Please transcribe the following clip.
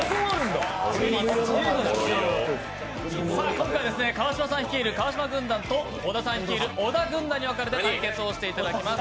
今回、川島さん率いる川島軍団と小田さん率いる小田軍団で対決をしていただきます。